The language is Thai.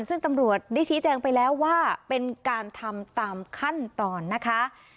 ซึ่งตำรวจได้ชี้แจงไปแล้วว่าเป็นการทำตามขั้นตอนนะคะ